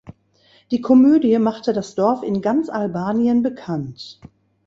Die Komödie machte das Dorf in ganz Albanien bekannt.